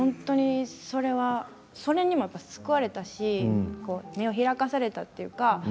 それに私は救われたし目を開かされたりと。